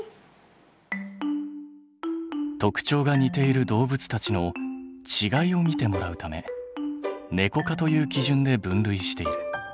特徴が似ている動物たちの違いを見てもらうためネコ科という基準で分類している。